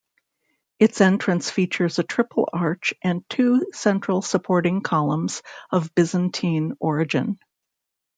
Its entrance features a triple arch and two central supporting columns of Byzantine origin.